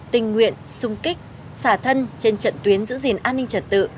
tình nguyện sung kích xả thân trên trận tuyến giữ gìn an ninh trật tự